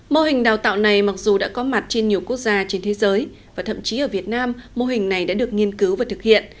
mô hình đào tạo này mặc dù đã có mặt trên nhiều quốc gia trên thế giới và thậm chí ở việt nam mô hình này đã được nghiên cứu và thực hiện